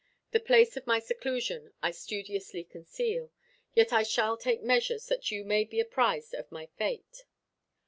The place of my seclusion I studiously conceal; yet I shall take measures that you may be apprised of my fate.